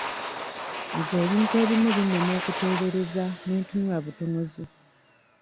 Nze ebintu ebimu binnema okuteebereza ne ntunula butunuzi.